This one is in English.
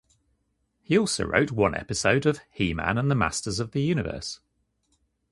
He also wrote one episode of "He-Man and the Masters of the Universe".